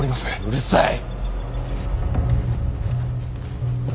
うるさい！